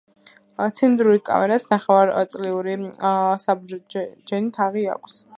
ცილინდრულ კამარას ნახევარწრიული საბრჯენი თაღი აქვს.